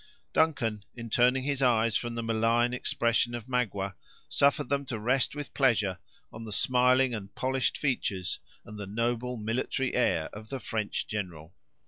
Duncan, in turning his eyes from the malign expression of Magua, suffered them to rest with pleasure on the smiling and polished features, and the noble military air, of the French general.